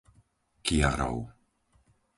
Kiarov